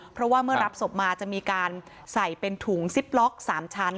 เพราะว่าเมื่อรับศพมาจะมีการใส่เป็นถุงซิปล็อก๓ชั้น